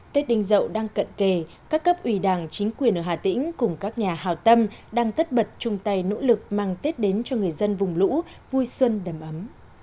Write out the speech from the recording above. tết đinh dậu đang cận kề các cấp ủy đảng chính quyền ở hà tĩnh cùng các nhà hào tâm đang tất bật chung tay nỗ lực mang tết đến cho người dân vùng lũ vui xuân đầm ấm